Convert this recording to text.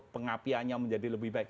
pengapiannya menjadi lebih baik